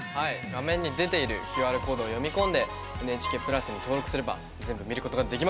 画面に出ているＱＲコードを読み込んで「ＮＨＫプラス」に登録すれば全部見ることができます。